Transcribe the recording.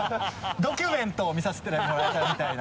ドキュメントを見させてもらえたみたいな。